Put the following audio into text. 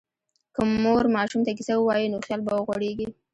که مور ماشوم ته کیسه ووایي، نو خیال به وغوړېږي.